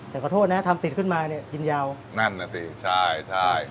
แต่ขอโทษนะทำเป็ดขึ้นมาเนี่ยกินยาวนั่นน่ะสิใช่ใช่